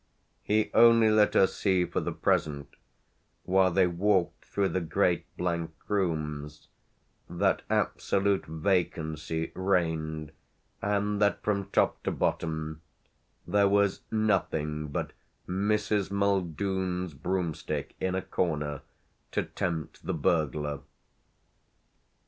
He only let her see for the present, while they walked through the great blank rooms, that absolute vacancy reigned and that, from top to bottom, there was nothing but Mrs. Muldoon's broomstick, in a corner, to tempt the burglar.